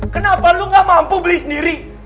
kenapa lu gak mampu beli sendiri